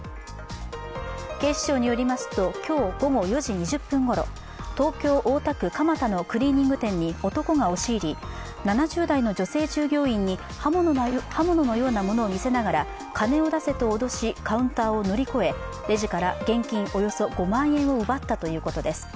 警視庁によりますと、今日午後４時２０分ごろ東京・大田区蒲田のクリーニング店に男が押し入り７０代の女性従業員に刃物のようなものを見せながら、金を出せと脅し、カウンターを乗り越えレジから現金およそ５万円を奪ったということです。